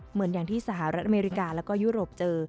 เหมือนอย่างที่สหรัฐอเมริกาแล้วก็ยุโรปเจอ